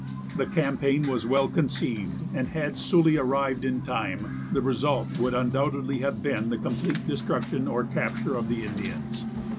The campaign was well conceived, and had Sully arrived in time, the result would undoubtedly have been the complete destruction or capture of the Indians.